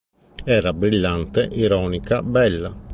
Era brillante, ironica, bella.